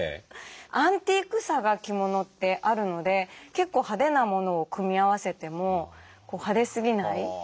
アンティークさが着物ってあるので結構派手なものを組み合わせても派手すぎない。